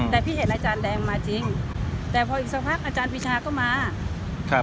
แต่พี่เห็นอาจารย์แดงมาจริงแต่พออีกสักพักอาจารย์ปีชาก็มาครับ